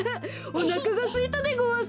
おなかがすいたでごわす。